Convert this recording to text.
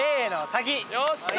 よっしゃ！